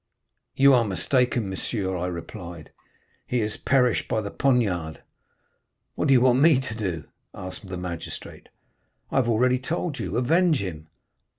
"'You are mistaken, monsieur,' I replied; 'he has perished by the poniard.' "'What do you want me to do?' asked the magistrate. "'I have already told you—avenge him.